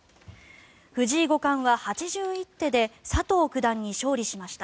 藤井五冠は８１手で佐藤九段に勝利しました。